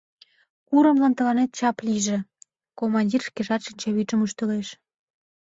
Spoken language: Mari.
Курымлан тыланет чап лийже! — командир шкежат шинчавӱдшым ӱштылеш.